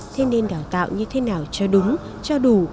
thế nên đào tạo như thế nào cho đúng cho đủ